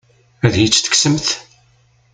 Ad iyi-t-tekksemt?